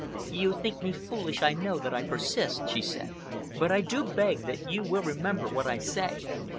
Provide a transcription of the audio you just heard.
"You think me foolish, I know, that I persist," she said, "but I do beg that you will remember what I say.